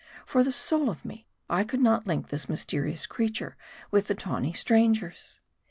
For the soul of me, I could not link this mysterious creature with the tawny strangers.